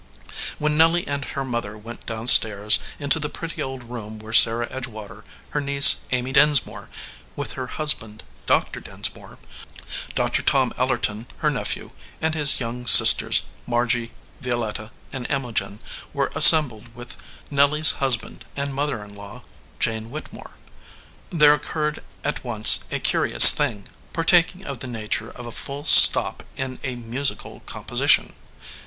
When Nelly and her mother went down stairs, into the pretty old room where Sarah Edgewater, her niece Amy Dinsmore, with her husband, Dr. Dinsmore, Dr. Tom Ellerton, her nephew, and his young sisters, Margy, Violetta, and Imogen, were assembled with Nelly s husband and mother in law, Jane Whittemore, there occurred at once a curious thing, partaking of the nature of a full stop in a musical composition.